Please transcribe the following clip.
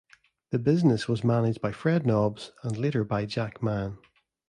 The business was managed by Fred Nobs and later by Jack Mann.